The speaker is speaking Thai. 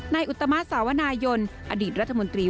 อุตมาสสาวนายนอดีตรัฐมนตรี